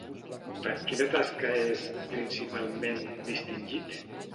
Per quina tasca és, principalment, distingit?